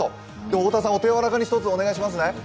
太田さん、お手柔らかにひとつお願いしますね。